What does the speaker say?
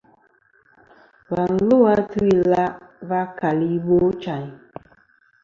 Và lu a tu-ila' va keli Ibochayn.